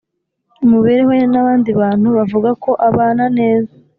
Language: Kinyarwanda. mu mibereho ye n’abandi bantu bavuga ko abana neza